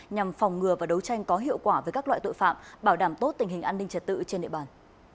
nhằm phòng ngừa và đấu tranh có hiệu quả với các loại tội phạm bảo đảm tốt tình hình an ninh trật tự trên địa bàn